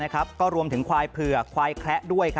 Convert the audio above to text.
ก็รวมถึงควายเผือกควายแคละด้วย